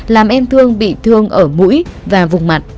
làm em thương bị thương ở mũi và vùng mặn